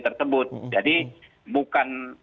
tersebut jadi bukan